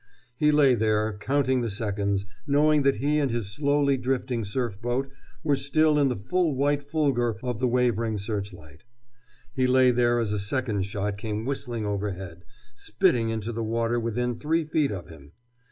He lay there, counting the seconds, knowing that he and his slowly drifting surf boat were still in the full white fulgor of the wavering searchlight. He lay there as a second shot came whistling overhead, spitting into the water within three feet of him.